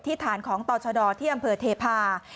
ฐานของต่อชดที่อำเภอเทพา